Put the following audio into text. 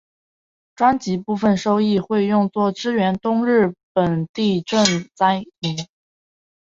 专辑部分收益会用作支援东日本地震灾民。